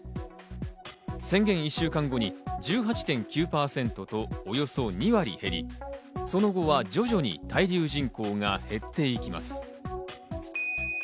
宣言１週間後に１８．９％とおよそ２割減り、その後は徐々に滞留人口が減っていきます。